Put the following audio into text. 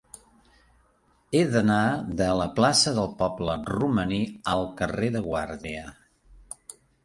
He d'anar de la plaça del Poble Romaní al carrer de Guàrdia.